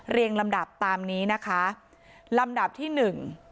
ลำดับตามนี้นะคะลำดับที่หนึ่ง